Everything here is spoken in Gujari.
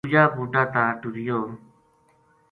دوجا بُوٹا تا ٹُریو